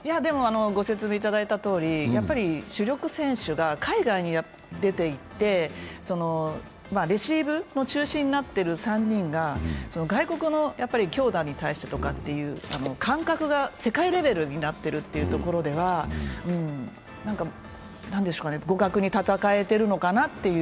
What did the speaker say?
ご説明いただいたとおり、主力選手が海外に出て行ってレシーブの中心になってる３人が外国の強打に対しての感覚が世界レベルになっているというところでは、互角に戦えてるのかなという。